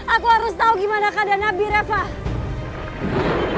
aku harus tau gimana keadaan abi refah